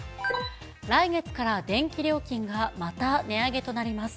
来月から電気料金がまた値上げとなります。